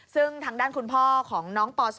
ซึ่งทางด้านคุณพ่อของน้องป๒